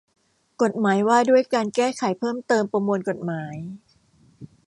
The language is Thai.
กฎหมายว่าด้วยการแก้ไขเพิ่มเติมประมวลกฎหมาย